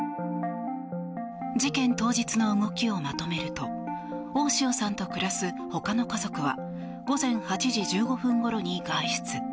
事件当日の動きをまとめると大塩さんと暮らすほかの家族は午前８時１５分ごろに外出。